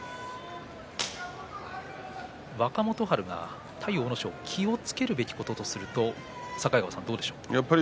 若元春は、対阿武咲気をつけるべきことは、境川さんどうでしょうか？